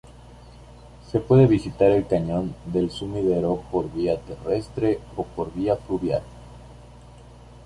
Se puede visitar el Cañón del Sumidero por vía terrestre o por vía fluvial.